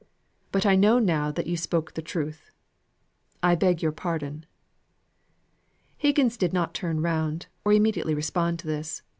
But I know now you spoke truth. I beg your pardon." Higgins did not turn round, or immediately respond to this.